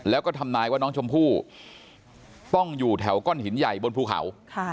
แล้วก็ทำนายว่าน้องชมพู่ต้องอยู่แถวก้อนหินใหญ่บนภูเขา